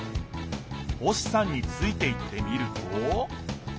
星さんについていってみると？